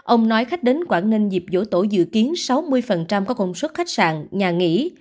ông nói khách đến quảng ninh dịp dỗ tổ dự kiến sáu mươi có công suất khách sạn nhà nghỉ